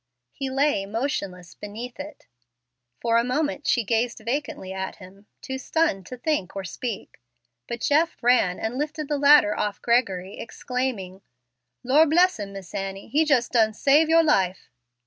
He lay motionless beneath it. For a moment she gazed vacantly at him, too stunned to think or speak. But Jeff ran and lifted the ladder off Gregory, exclaiming, "Lor' bless him, Miss Annie, he jus' done save your life."